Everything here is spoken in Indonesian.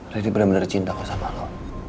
riri bener bener cinta sama lu